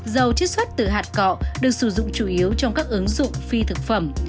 dầu chế xuất từ hạt cọ được sử dụng chủ yếu trong các ứng dụng phi thực phẩm